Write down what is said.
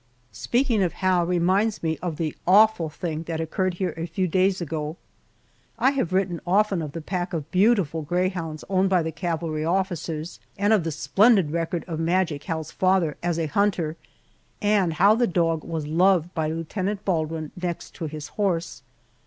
Speaking of Hal reminds me of the awful thing that occurred here a few days ago. I have written often of the pack of beautiful greyhounds owned by the cavalry officers, and of the splendid record of Magic Hal's father as a hunter, and how the dog was loved by Lieutenant Baldwin next to his horse.